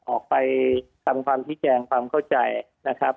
ออกไปทำความชี้แจงความเข้าใจนะครับ